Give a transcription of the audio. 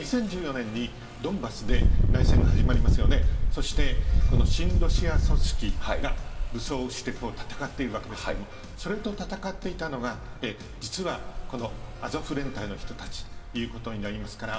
２０１４年にドンバスで内戦が始まりますよね、そしてこの親ロシア組織が武装して戦っているわけですけれども、それと戦っていたのが、実はこのアゾフ連隊の人たちということになりますから。